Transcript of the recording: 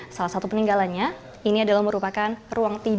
salah satu peninggalannya ini adalah merupakan ruangan yang sangat penting